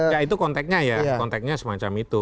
ya itu konteknya ya konteknya semacam itu